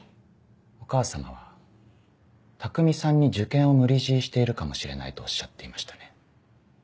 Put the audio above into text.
お母様は匠さんに受験を無理強いしているかもしれないとおっしゃっていましたね。